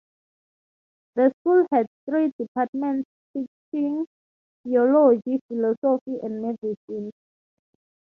The school had three primary departments teaching: theology, philosophy and medicine.